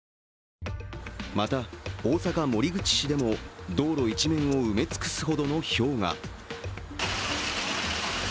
また、大阪・守口市でも道路一面を埋め尽くすほどのひょうが。